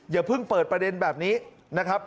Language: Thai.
อย่าเพิ่งเปิดประเด็นแบบนี้นะครับ